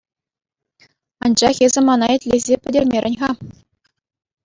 Анчах эсӗ мана итлесе пӗтермерӗн-ха.